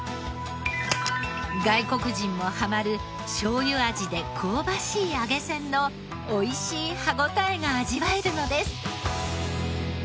外国人もハマるしょうゆ味で香ばしい揚げせんのおいしい歯応えが味わえるのです。